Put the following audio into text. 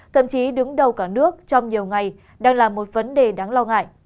thậm chí đứng đầu cả nước trong nhiều ngày đang là một vấn đề đáng lo ngại